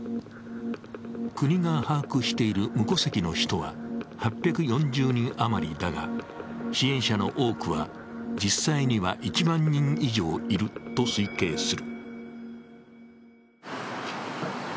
国が把握している無戸籍の人は８４０人余りだが支援者の多くは実際には１万人以上いると推計する。